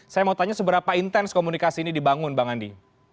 saya mau tanya seberapa intens komunikasi ini dibangun bang andi